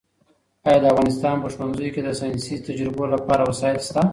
ایا د افغانستان په ښوونځیو کې د ساینسي تجربو لپاره وسایل شته؟